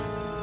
iyun ikut ya